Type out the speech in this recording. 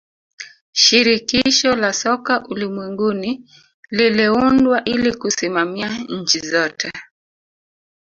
shirikisho la soka ulimwenguni liliundwa ili kusimamia nchi zote